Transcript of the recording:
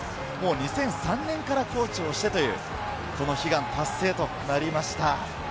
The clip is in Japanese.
２００３年からコーチをしてという、この悲願達成となりました。